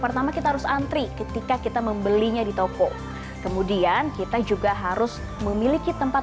pertama kita harus antri ketika kita membelinya di toko kemudian kita juga harus memiliki tempat